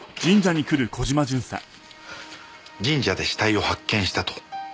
神社で死体を発見したと。